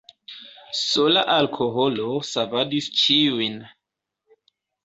Sola alkoholo savadis ĉiujn.